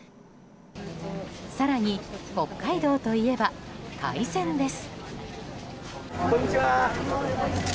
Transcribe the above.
更に北海道といえば海鮮です。